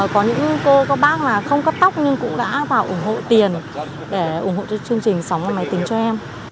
có những cô các bác không cắt tóc nhưng cũng đã vào ủng hộ tiền để ủng hộ cho chương trình sóng và máy tính cho em